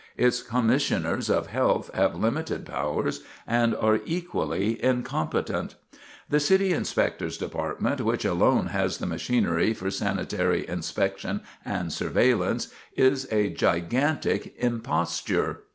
Its commissioners of health have limited powers, and are equally incompetent. [Sidenote: The City Inspector's Department] The City Inspector's department, which alone has the machinery for sanitary inspection and surveillance, is a gigantic imposture.